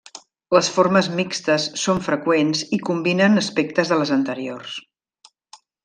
Les formes mixtes són freqüents i combinen aspectes de les anteriors.